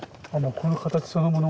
この形そのもの？